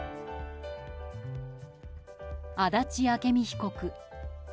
足立朱美被告。